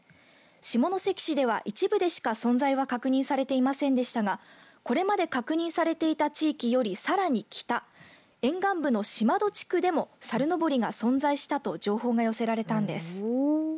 下関市では一部でしか存在は確認されていませんでしたがこれまで確認されていた地域よりさらに北沿岸部の島戸地区でも猿のぼりが存在したと情報が寄せられたんです。